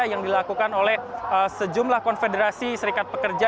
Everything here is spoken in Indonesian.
yang dilakukan oleh sejumlah konfederasi serikat pekerja